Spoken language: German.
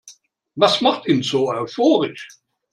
Was macht ihn so euphorisch?